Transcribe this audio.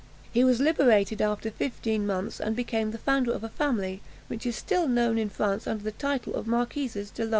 He was liberated after fifteen months, and became the founder of a family, which is still known in France under the title of Marquises of Lauriston.